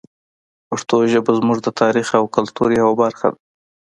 پښتو ژبه زموږ د تاریخ او کلتور یوه برخه ده.